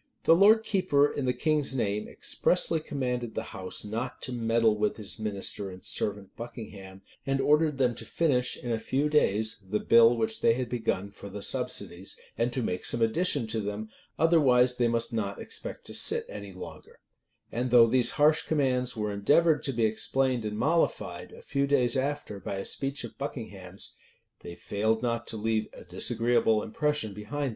[] The lord keeper, in the king's name, expressly commanded the house not to meddle with his minister and servant, Buckingham; and ordered them to finish, in a few days, the bill which they had begun for the subsidies, and to make some addition to them; otherwise they must not expect to sit any longer.[] And though these harsh commands were endeavored to be explained and mollified, a few days after, by a speech of Buckingham's,[] they failed not to leave a disagreeable impression behind them. * See note A, at the end of the volume. Rush worth, vol. i. p. 371. Parliament. Hist. vol. vi. p. 444.